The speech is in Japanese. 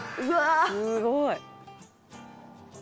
「すごい！」